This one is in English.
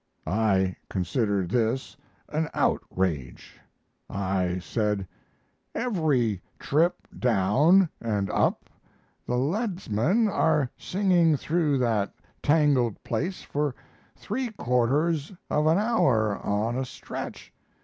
I considered this an outrage. I said: "Every trip down and up the leadsmen are singing through that tangled place for three quarters of an hour on a stretch.